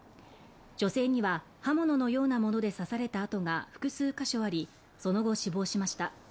女性には刃物のようなもので刺された痕が複数箇所ありその後、死亡しました。